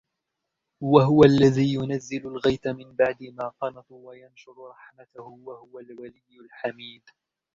وهو الذي ينزل الغيث من بعد ما قنطوا وينشر رحمته وهو الولي الحميد